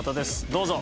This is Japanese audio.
どうぞ。